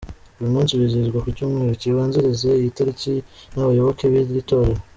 Uyu munsi wizihizwa ku cyumweru kibanziriza iyi tariki, n’abayoboke b’iri torero.